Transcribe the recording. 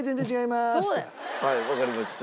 はいわかりました。